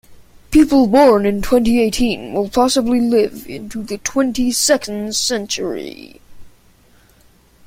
People born in twenty-eighteen will possibly live into the twenty-second century.